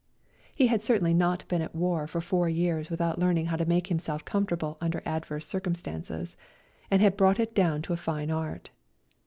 He had certainly not been at war for four years without learning how to make himself A RIDE TO KALABAC 59 comfortable under adverse circumstances, and had brought it down to a fine art.